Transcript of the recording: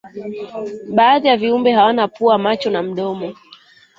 baadhi ya viumbe hawana pua macho na mdomo